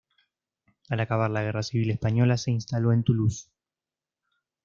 Al acabar la Guerra Civil Española se instaló en Toulouse.